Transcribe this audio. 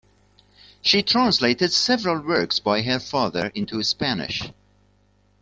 She translated several works by her father into Spanish.